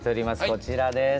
こちらです。